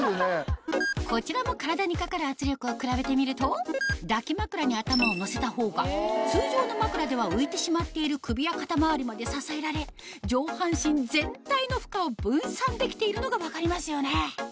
こちらも体にかかる圧力を比べてみると抱き枕に頭を乗せたほうが通常の枕では浮いてしまっている首や肩周りまで支えられ上半身全体の負荷を分散できているのが分かりますよね